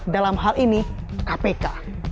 dalam hal ini kpk